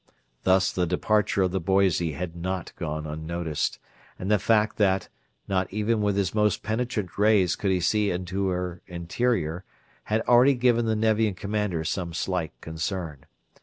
Thus the departure of the Boise had not gone unnoticed, and the fact, that, not even with his most penetrant rays could he see into her interior, had already given the Nevian commander some slight concern.